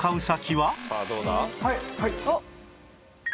はい！